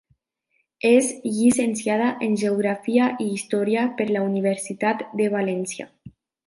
És Llicenciada en Geografia i Història per la Universitat de València.